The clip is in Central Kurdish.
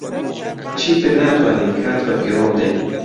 چیتر ناتوانین کات بەفیڕۆ بدەین.